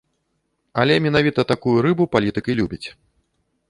Але менавіта такую рыбу палітык і любіць.